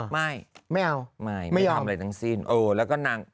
ทำอะไรทั้งสิ้นเออแล้วก็นาง